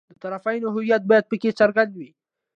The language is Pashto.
د طرفینو هویت باید په کې څرګند وي.